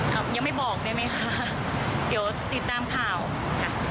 ครับยังไม่บอกได้ไหมคะเดี๋ยวติดตามข่าวค่ะ